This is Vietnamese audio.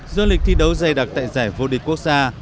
do lịch thi đấu dày đặc tại giải vô địch quốc gia